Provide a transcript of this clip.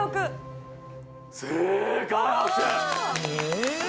え？